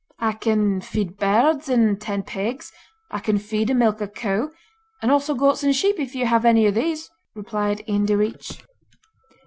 'I can feed birds and tend pigs; I can feed and milk a cow, and also goats and sheep, if you have any of these,' replied Ian Direach.